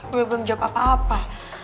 gue belum jawab apa apa